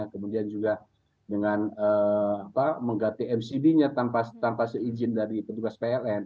kemudian juga dengan mengganti mcd nya tanpa seizin dari petugas pln